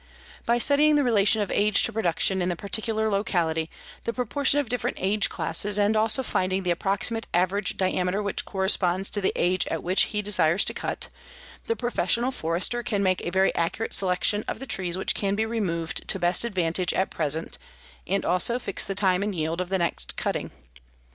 By studying the relation of age to production in the particular locality, the proportion of different age classes, and also finding the approximate average diameter which corresponds to the age at which he desires to cut, the professional forester can make a very accurate selection of the trees which can be removed to best advantage at present and also fix the time and yield of the next cutting.